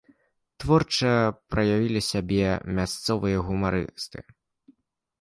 Творча праявілі сябе мясцовыя гумарысты.